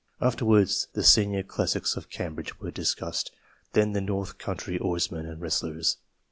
Afterwards the Senior Classics of Cambridge were discussed, then the north country oarsmen and wrestlers.